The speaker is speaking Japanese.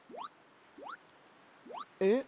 えっ？